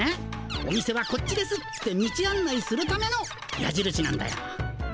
お店はこっちですって道あん内するためのやじるしなんだよ。